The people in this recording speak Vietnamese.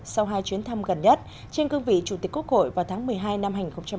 sau hai chuyến thăm gần nhất trên cương vị chủ tịch quốc hội vào tháng một mươi hai năm hai nghìn hai mươi